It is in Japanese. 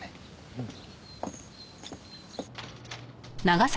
うん。